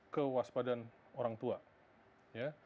kewaspadaan orang tua ya